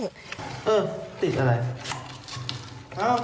ติดอะไร